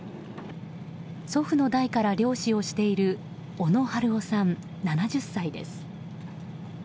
祖父の代から漁師をしている小野春雄さん、７０歳です。